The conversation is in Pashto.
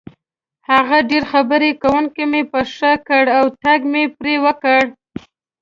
هغه ډېر خبرې کوونکی مې په نښه کړ او ټک مې پرې وکړ.